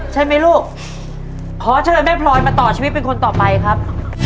ใช่ไหมลูกขอเชิญแม่พลอยมาต่อชีวิตเป็นคนต่อไปครับ